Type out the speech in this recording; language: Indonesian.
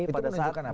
itu menunjukkan apa